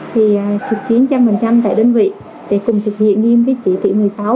thì trực chiến một trăm linh tại đơn vị để cùng thực hiện nghiêm với chỉ thị một mươi sáu